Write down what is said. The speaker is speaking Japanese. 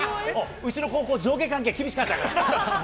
うちの高校、上下関係厳しかったから。